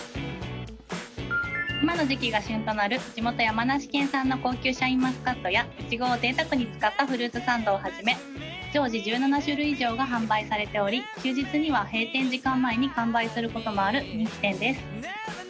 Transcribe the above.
今の時期が旬となる地元山梨県産の高級シャインマスカットやイチゴをぜいたくに使ったフルーツサンドをはじめ常時１７種類以上が販売されており休日には閉店時間前に完売することもある人気店です。